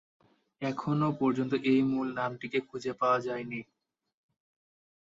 এখনও পর্যন্ত এই মূল নামটিকে খুঁজে পাওয়া যায়নি।